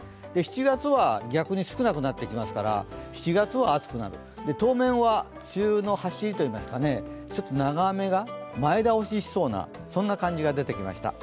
７月から多くなってきますから７月は暑くなる、当面は梅雨のはしりといいますかねちょっと長雨が前倒ししそうな感じが出てきました。